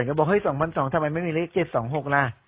เอ่อฉันก็บอกเฮ้ยสองพันสองทำไมไม่มีเลขเจ็ดสองหกล่ะ